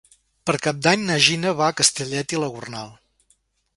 Per Cap d'Any na Gina va a Castellet i la Gornal.